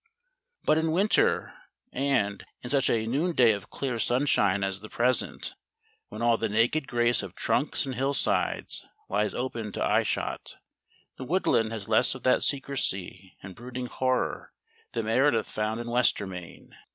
But in winter, and in such a noonday of clear sunshine as the present, when all the naked grace of trunks and hillsides lies open to eyeshot, the woodland has less of that secrecy and brooding horror that Meredith found in "Westermain."